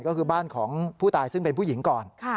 ก็คือบ้านของผู้ตายซึ่งเป็นผู้หญิงก่อน